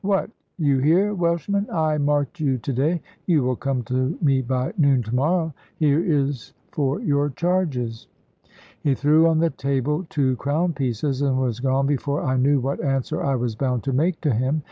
What! you here, Welshman? I marked you to day. You will come to me by noon to morrow. Here is for your charges." He threw on the table two crown pieces, and was gone before I knew what answer I was bound to make to him.